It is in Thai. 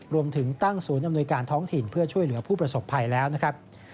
รวมถึงตั้งศูนย์อำนวยการท้องถิ่นเพื่อช่วยเหลือผู้ประสบภัยแล้วนะครับ